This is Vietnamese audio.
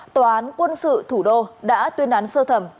tòa án quân sự thủ đô đã tuyên án sơ thẩm